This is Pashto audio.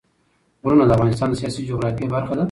غرونه د افغانستان د سیاسي جغرافیه برخه ده.